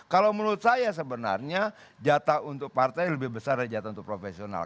kalau menurut saya sebenarnya jatah untuk partai lebih besar dari jatah untuk profesional